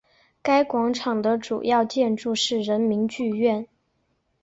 该广场的主要建筑是人民剧院。